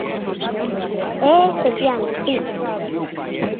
É especial, si.